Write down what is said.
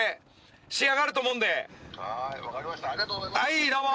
はいどうも！